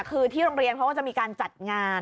คือที่โรงเรียนเขาก็จะมีการจัดงาน